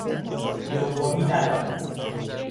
دومی ندارد.